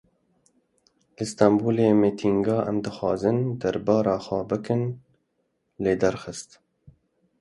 Li Stenbolê mitînga em dixwazin debara xwe bikin, li dar xist.